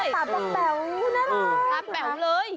ตาแป๋วอื่นน่ะนะ